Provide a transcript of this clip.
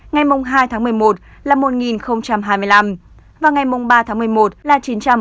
ngày hai một mươi một là một hai mươi năm và ngày ba một mươi một là chín trăm bốn mươi bốn